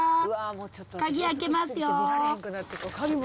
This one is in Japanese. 鍵開けますよー。